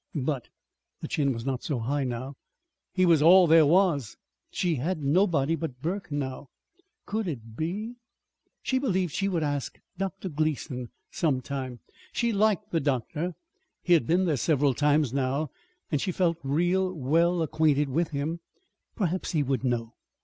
But the chin was not so high, now he was all there was. She had nobody but Burke now. Could it be She believed she would ask Dr. Gleason some time. She liked the doctor. He had been there several times now, and she felt real well acquainted with him. Perhaps he would know.